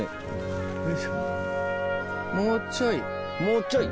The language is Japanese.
もうちょい。